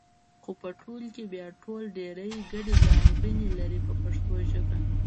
خو په ټول کې بیا ټول ډېرې ګډې ځانګړنې لري په پښتو ژبه.